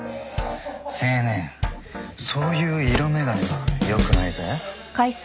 青年そういう色眼鏡は良くないぜ。